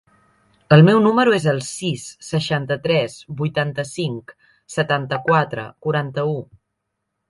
El meu número es el sis, seixanta-tres, vuitanta-cinc, setanta-quatre, quaranta-u.